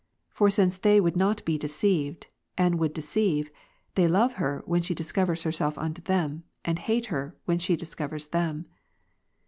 Forsincethey wouldnotbe deceived, and would deceive, they love her, when she discovers herself unto them, and hate her, when she discovers them.